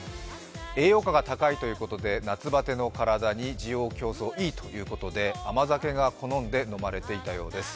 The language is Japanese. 栄養価が高いということで夏バテの体に滋養強壮、いいということで、甘酒が好んで飲まれていたようです。